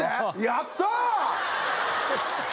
やったー！